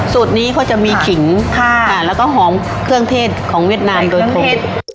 สูตรนี้เขาจะมีขิงแล้วก็หอมเครื่องเทศของเวียดนามโดยเครื่องเทศ